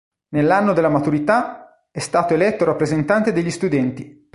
Nell'anno della maturità, è stato eletto rappresentante degli studenti.